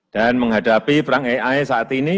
dan menghadapi perang ai saat ini